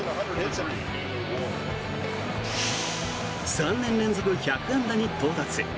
３年連続１００安打に到達。